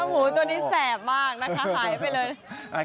หมูตัวนี้แสบมากนะคะหายไปเลย